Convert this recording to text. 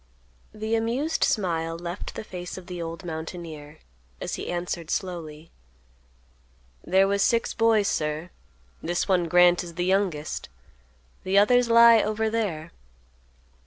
The amused smile left the face of the old mountaineer, as he answered slowly, "There was six boys, sir; this one, Grant, is the youngest. The others lie over there."